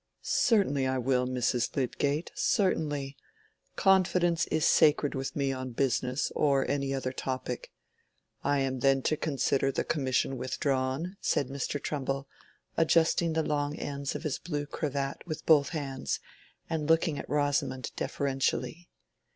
"Certainly I will, Mrs. Lydgate, certainly. Confidence is sacred with me on business or any other topic. I am then to consider the commission withdrawn?" said Mr. Trumbull, adjusting the long ends of his blue cravat with both hands, and looking at Rosamond deferentially.